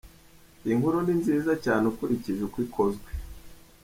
Iyi nkuru ni nziza cyane ukurikije uko ikozwe.